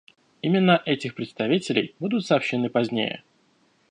Имена этих представителей будут сообщены позднее.